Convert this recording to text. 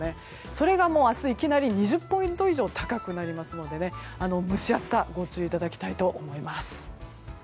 それが明日いきなり２０ポイント以上高くなりますので蒸し暑さご注意いただきたいと思います。